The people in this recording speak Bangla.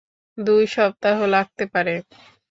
দুই সপ্তাহ লাগতে পারে?